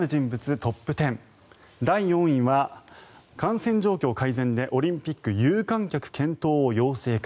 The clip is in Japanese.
トップ１０第４位は感染状況改善でオリンピック有観客検討を要請か。